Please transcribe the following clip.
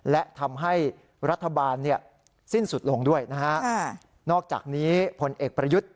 และทำให้รัฐบาลเนี่ยสิ้นสุดลงด้วยนะฮะนอกจากนี้พลเอกประยุทธ์